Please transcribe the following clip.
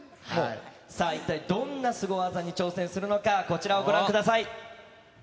さあ、一体どんなスゴ技に挑戦するのか、こちらをご覧ください。